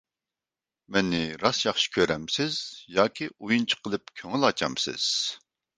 مېنى راست ياخشى كۆرەمسىز ياكى ئويۇنچۇق قىلىپ كۆڭۈل ئاچامسىز؟